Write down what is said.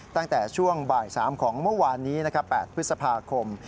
ตั้งแต่ช่วงบ่าย๓ของเมื่อวานนี้๘พฤษภาคม